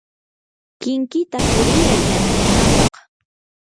kinkita quriyay yanukunapaq.